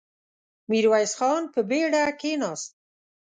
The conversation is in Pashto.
ميرويس خان په بېړه کېناست.